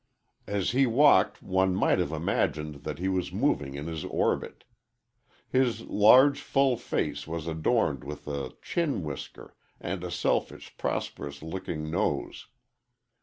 As he walked one might have imagined that he was moving in his orbit. His large, full face was adorned with a chin whisker and a selfish and prosperous looking nose.